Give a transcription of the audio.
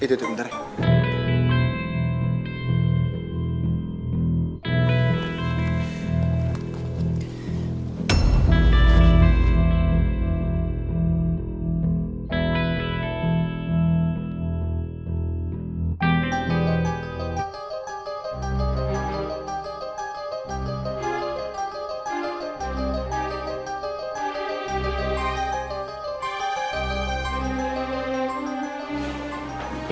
itu itu bentar ya